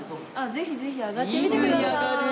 ぜひぜひ上がってみてください。